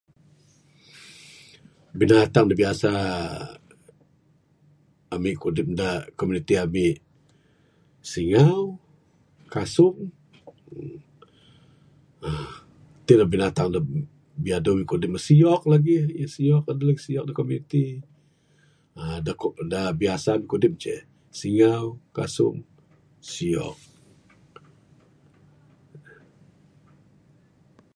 Binatang da biasa amik kudip ne da komuniti amik, singau, kasung, uhh Tik lah binatang da aduh mik kudip ne. Siyok lagi ne. Aduh lah siyok da komuniti. uhh Da biasa ami' kudip ceh, singau, kasung, siyok.